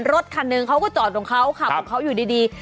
รถคันหนึ่งเขาก็จอดของเขาขับของเขาอยู่ดี